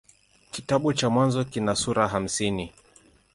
Kitabu cha Mwanzo kina sura hamsini.